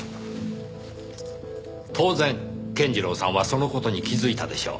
当然健次郎さんはその事に気づいたでしょう。